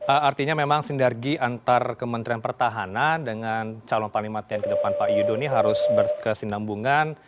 artinya memang sinergi antar kementerian pertahanan dengan calon panglima tni ke depan pak yudo ini harus berkesinambungan